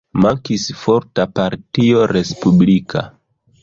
Mankis forta partio respublika.